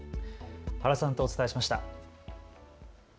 原さんとお伝えしました。